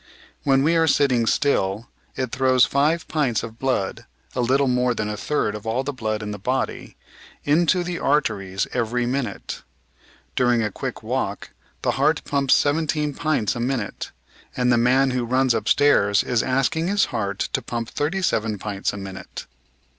When we are sitting still, it throws five pints of blood (a little more than a third of all the blood in the body) into the arteries every minute. During a quick walk the heart pumps seventeen pints a minute; and the man who runs upstairs is asking his heart to pump thirty seven pints a minute!